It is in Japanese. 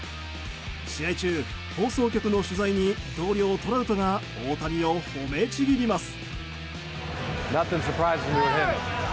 試合中、放送局の取材に同僚トラウトが大谷を褒めちぎります。